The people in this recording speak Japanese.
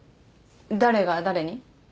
誰が誰に？